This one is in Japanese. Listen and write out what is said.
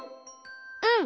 うん。